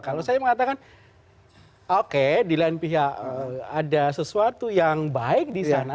kalau saya mengatakan oke di lain pihak ada sesuatu yang baik di sana